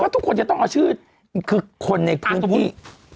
ทุกคนจะต้องเอาชื่อคือคนในพื้นที่